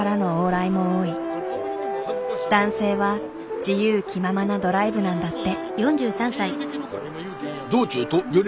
男性は自由気ままなドライブなんだって。